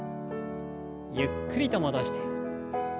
ゆっくりと戻して。